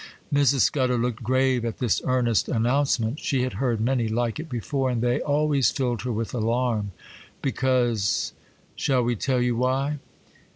Mrs. Scudder looked grave at this earnest announcement; she had heard many like it before, and they always filled her with alarm, because——Shall we tell you why?